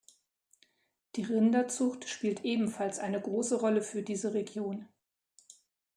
Die Rinderzucht spielt ebenfalls eine große Rolle für diese Region.